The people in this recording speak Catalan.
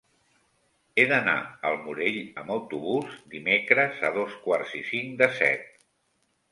He d'anar al Morell amb autobús dimecres a dos quarts i cinc de set.